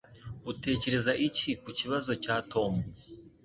Utekereza iki ku kibazo cya Tom